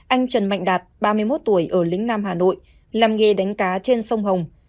anh trần mạnh đạt ba mươi một tuổi ở lĩnh nam hà nội làm nghề đánh cá trên sông hồng